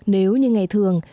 nếu như ngày thường